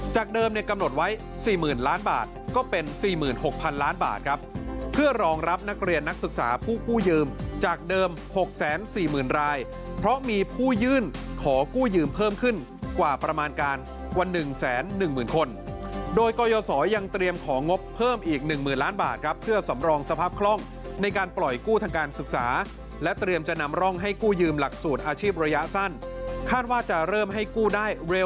๑๕๖๖จากเดิมในกำหนดไว้๔๐ล้านบาทก็เป็น๔๖พันล้านบาทครับเพื่อรองรับนักเรียนนักศึกษาผู้กู้ยืมจากเดิม๖๔๐๐๐๐รายเพราะมีผู้ยื่นขอกู้ยืมเพิ่มขึ้นกว่าประมาณการกว่าหนึ่งแสนหนึ่งหมื่นคนโดยกอยสอยังเตรียมของงบเพิ่มอีกหนึ่งหมื่นล้านบาทครับเพื่อสำรองสภาพคล่องในการปล่อยกู้ทางการศึกษาแล